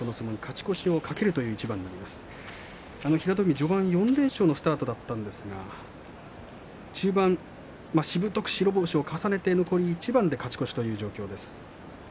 平戸海、序盤４連勝のスタートだったんですが、中盤しぶとく白星を重ねて残り一番で勝ち越しという状況です。